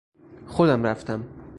خودم رفتم.